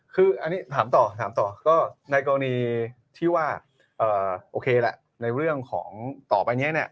คืออันนี้ถามต่อถามต่อก็ในกรณีที่ว่าโอเคแหละในเรื่องของต่อไปนี้เนี่ย